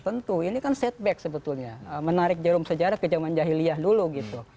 tentu ini kan setback sebetulnya menarik jarum sejarah ke zaman jahiliyah dulu gitu